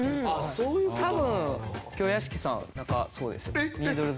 多分今日屋敷さん中そうですよ。